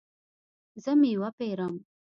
زه میوه پیرم